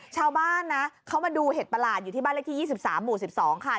ชาวบ้านนะเขามาดูเห็ดประหลาดอยู่ที่บ้านเลขที่๒๓หมู่๑๒ค่ะ